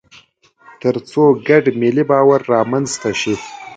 تر څو ګډ ملي باور رامنځته شي.